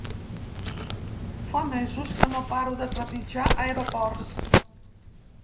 Fa mesos que no paro de trepitjar aeroports.